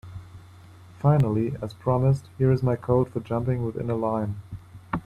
Finally, as promised, here is my code for jumping within a line.